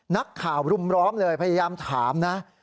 นักข่าวรุมร้อมเลยพยายามถามนะ